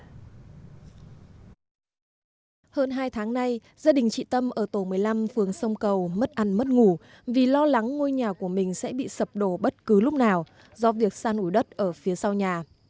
hơn hai tháng nay gia đình chị tâm ở tổ một mươi năm phường sông cầu mất ăn mất ngủ vì lo lắng ngôi nhà của mình sẽ bị sập đổ bất cứ lúc nào do việc san ủi đất ở phía sau nhà